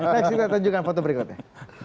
baik kita tunjukkan foto berikutnya